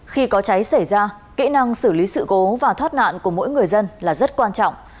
khi có cháy xảy ra kỹ năng xử lý sự cố và thoát nạn của mỗi người dân là rất quan trọng